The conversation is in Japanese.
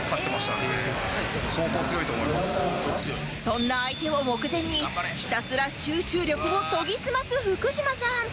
そんな相手を目前にひたすら集中力を研ぎ澄ます福島さん